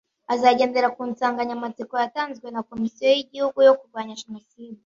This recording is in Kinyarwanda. Azagendera ku nsanganyamatsiko yatanzwe na Komisiyo y’igihugu yo kurwanya Jenoside